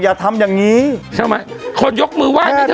อย่าทำอย่างงี้ใช่ไหมคนยกมือไหว้ไหมเ